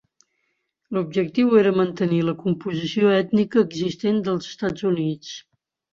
L'objectiu era mantenir la composició ètnica existent dels Estats Units.